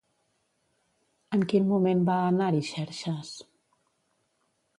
En quin moment va anar-hi Xerxes?